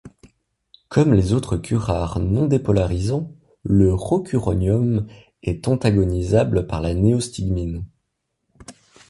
Comme les autres curares non-dépolarisants le rocuronium est antagonisable par la néostigmine.